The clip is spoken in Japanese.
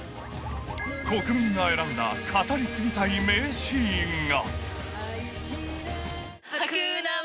国民が選んだ語り継ぎたい名シーンが。